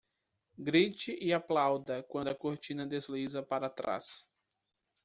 Grite e aplauda quando a cortina desliza para trás.